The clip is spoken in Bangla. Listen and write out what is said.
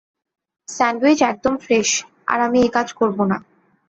স্যান্ডউইচ একদম ফ্রেশ আর আমি এই কাজ করব না।